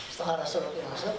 setelah rasa ruki masuk